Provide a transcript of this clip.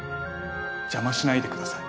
邪魔しないでください。